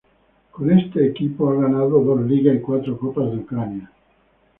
Con este equipo ha ganado dos Ligas y cuatro Copas de Ucrania.